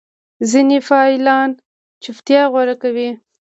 ځینې فعالان چوپتیا غوره کوي.